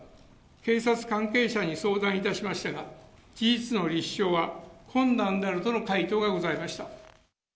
警察関係者に相談いたしましたが、事実の立証は困難であるとの回答がございました。